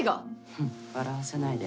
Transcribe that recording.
ふん笑わせないで。